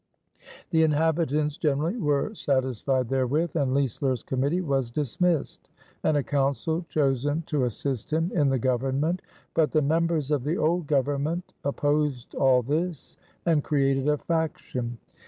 The Inhabitants generally were satisfied therewith, and Leisler's committee was dismissed, and a Council chosen to assist him in the government; but the members of the old government opposed all this and created a faction.